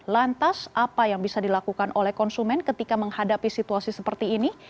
lantas apa yang bisa dilakukan oleh konsumen ketika menghadapi situasi seperti ini